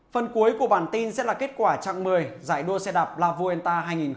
phần cuối của bản tin sẽ là kết quả trạng một mươi giải đua xe đạp la vuenta hai nghìn một mươi tám